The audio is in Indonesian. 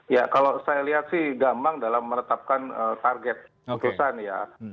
ya kalau saya lihat sih gamang dalam meletakkan target keputusan ya